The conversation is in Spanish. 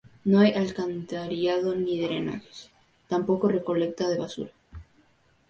No hay alcantarillado ni drenajes, tampoco recolecta de basura.